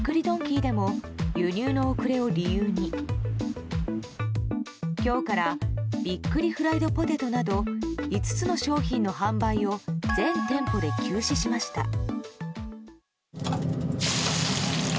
ドンキーでも輸入の遅れを理由に今日からびっくりフライドポテトなど５つの商品の販売を全店舗で休止しました。